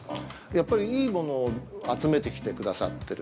◆やっぱりいいものを集めてきてくださってる